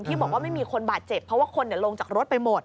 ที่บอกว่าไม่มีคนบาดเจ็บเพราะว่าคนลงจากรถไปหมด